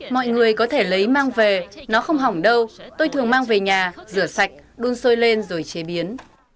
mọi người có thể lấy mang về nó không hỏng đâu tôi thường mang về nhà rửa sạch đun sôi lên rồi chế biến